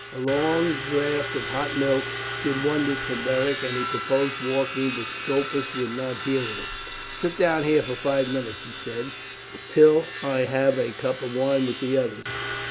A long draught of hot milk did wonders for Beric, and he proposed walking, but Scopus would not hear of it. "Sit down here for five minutes," he said, "till I have a cup of wine with the others.